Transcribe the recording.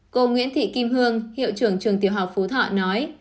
cô nguyễn thị kim hương hiệu trưởng trường tiểu học phú thọ nói